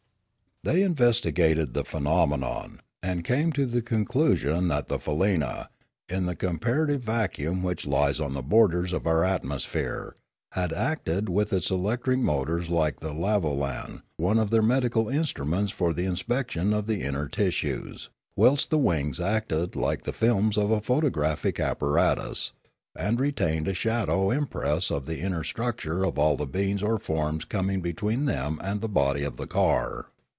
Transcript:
They investigated the phenomenon, and came to the conclusion that the faleena, in the comparative vacuum which lies on the borders of our atmosphere, had acted Discoveries 3°9 with its electric motors like the lavolan, one of their medical instruments for the inspection of the inner tisues, whilst the wings acted like the films of a photo graphic apparatus, and retained a shadowed impress of the inner structure of all the beings or forms coming between them and the body of the car.